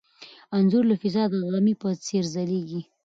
انځور له فضا د غمي په څېر ځلېږي.